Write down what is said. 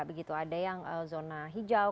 begitu ada yang zona hijau